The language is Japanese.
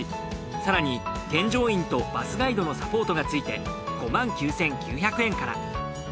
更に添乗員とバスガイドのサポートがついて５９，９００円から。